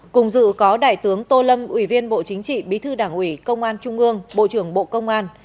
cùng dự có đại tướng tô lâm ủy viên bộ chính trị bí thư đảng ủy công an trung ương bộ trưởng bộ công an